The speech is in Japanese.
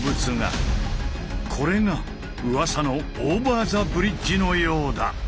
これがうわさの「オーバー・ザ・ブリッジ」のようだ。